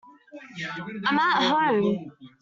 I'm at home.